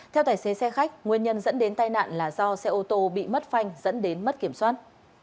theo tài xế xe khách nguyên nhân dẫn đến tai nạn là do xe ô tô bị mất phanh dẫn đến mất kiểm soát